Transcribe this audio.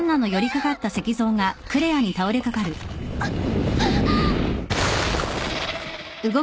あっ。